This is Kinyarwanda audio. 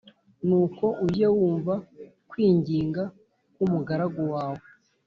Nuko ujye wumva kwinginga k umugaragu wawe